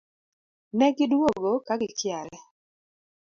Ne gi duogo ka gikiare